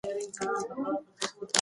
هره ستونزه د ودې فرصت دی.